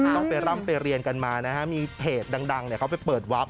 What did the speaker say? ต้องไปร่ำไปเรียนกันมานะฮะมีเพจดังเขาไปเปิดวับ